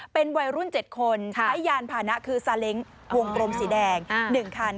เป็นวัยรุ่น๗คนใช้ยานพานะคือซาเล้งวงกลมสีแดง๑คัน